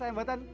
saya mbak putri